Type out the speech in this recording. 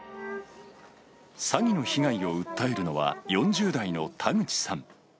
詐欺の被害を訴えるのは、４０代の田口さん。